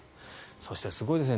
そして、すごいですね。